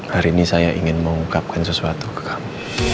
hari ini saya ingin mengungkapkan sesuatu ke kami